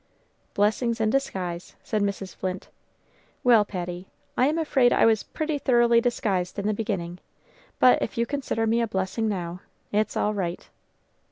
"Blessings in disguise," said Mrs. Flint. "Well, Patty, I am afraid I was pretty thoroughly disguised in the beginning; but if you consider me a blessing now, it's all right."